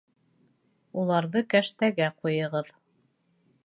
Уларҙы кәштәгә ҡуйығыҙ